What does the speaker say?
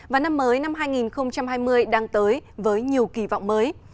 và năm mới năm hai nghìn hai mươi đang tới với nhiều kỳ vọng mới